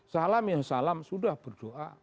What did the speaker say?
salam yang salam sudah berdoa